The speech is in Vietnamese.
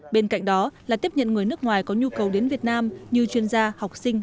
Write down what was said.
bên cạnh đó là tiếp nhận người nước ngoài có nhu cầu đến việt nam như chuyên gia học sinh